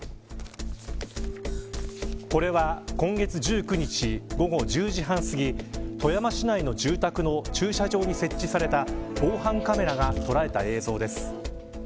これは今月１９日午後１０時半すぎ富山市内の住宅の駐車場に設置された防犯カメラが捉えた映像です。